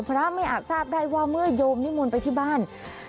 พระไม่อาจทราบได้ว่าเมื่อโยมนิมนต์ไปที่บ้าน